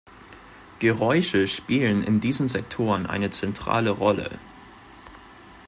Geräusche spielen in diesen Sektoren eine zentrale Rolle.